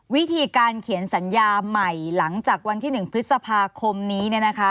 วิธีการเขียนสัญญาใหม่หลังจากวันที่๑พฤษภาคมนี้